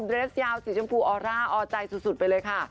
เรสยาวสีชมพูออร่าออใจสุดไปเลยค่ะ